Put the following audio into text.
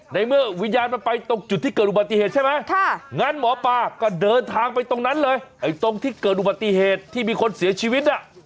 ในเมื่อวิญญาณมันไปตรงจุดที่เกิดอุบัติเหตุใช่ไหมงั้นหมอปลาก็เดินทางไปตรงนั้นเลยไอ้ตรงที่เกิดอุบัติเหตุที่มีคนเสียชีวิต